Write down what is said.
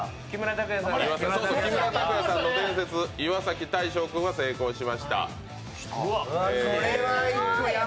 木村拓哉さんの伝説、岩崎大昇君は成功しました。